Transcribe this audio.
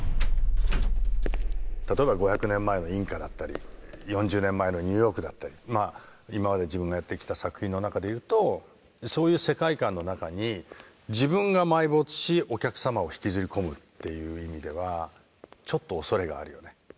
例えば５００年前のインカだったり４０年前のニューヨークだったりまあ今まで自分がやってきた作品の中でいうとそういう世界観の中に自分が埋没しお客様を引きずり込むっていう意味ではちょっと畏れがあるよね。